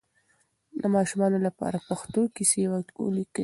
د ماشومانو لپاره پښتو کیسې ولیکئ.